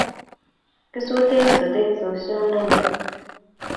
Kisutee sotet sosyondonni